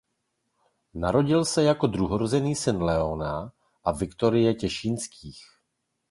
Narodil se jako druhorozený syn Leopolda a Viktorie Těšínských.